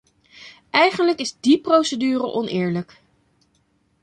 Eigenlijk is die procedure oneerlijk.